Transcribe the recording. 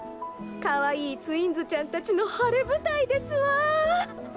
かわいいツインズちゃん達の晴れ舞台ですわ。